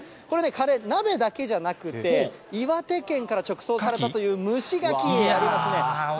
これね、鍋だけじゃなくて、岩手県から直送されたという蒸しガキになりますね。